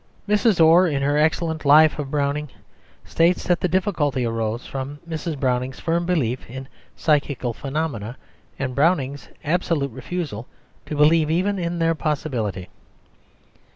Mrs. Orr, in her excellent Life of Browning, states that the difficulty arose from Mrs. Browning's firm belief in psychical phenomena and Browning's absolute refusal to believe even in their possibility.